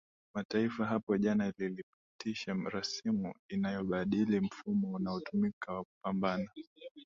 Mataifa hapo jana lilipitisha rasimu inayobadili mfumo unaotumika wa kupambana